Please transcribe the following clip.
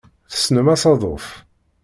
Tessnem asaḍuf.